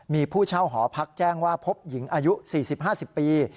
มีผู้เช่าหอพักแจ้งว่าพบหญิงอายุ๔๐๕๐ปี